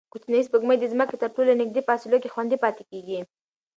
کوچنۍ سپوږمۍ د ځمکې تر ټولو نږدې فاصلو کې خوندي پاتې کېږي.